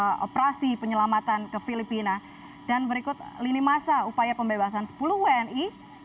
untuk operasi penyelamatan ke filipina dan berikut lini masa upaya pembebasan sepuluh wni